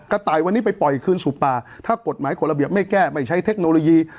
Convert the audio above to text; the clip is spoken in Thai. ต่ายวันนี้ไปปล่อยคืนสู่ป่าถ้ากฎหมายกฎระเบียบไม่แก้ไม่ใช้เทคโนโลยี